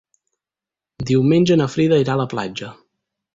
Diumenge na Frida irà a la platja.